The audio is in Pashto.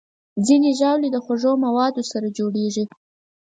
ځینې ژاولې د خوږو موادو سره جوړېږي.